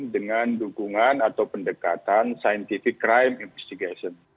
dengan dukungan atau pendekatan scientific crime investigation